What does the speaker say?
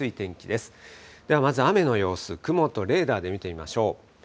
ではまず雨の様子、雲とレーダーで見てみましょう。